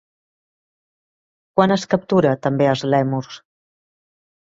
Quan es captura també als lèmurs?